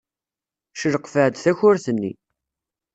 Cleqfeɣ-d takurt-nni.